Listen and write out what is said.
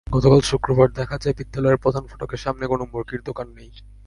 গতকাল শুক্রবার দেখা যায়, বিদ্যালয়ের প্রধান ফটকের সামনে কোনো মুরগির দোকান নেই।